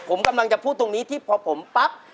ผมกำลังจะพูดตรงนี้ที่พอผมปั๊บ